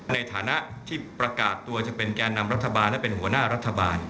ในฐานะที่ประกาศตัวจะเป็นแก่นำรัฐบาลและเป็นหัวหน้ารัฐบาล